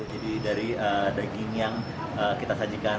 jadi dari daging yang kita sajikan